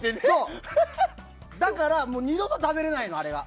だから二度と食べられないの、あれは。